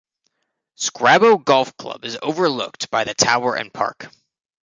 Scrabo Golf Club is overlooked by the tower and park.